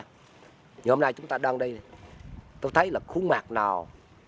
nhưng hôm nay chúng ta đang đi tôi thấy là khu mạc nào